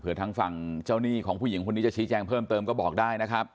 ทางฝั่งเจ้าหนี้ของผู้หญิงคนนี้จะชี้แจงเพิ่มเติมก็บอกได้นะครับ